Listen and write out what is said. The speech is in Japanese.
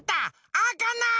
あかない！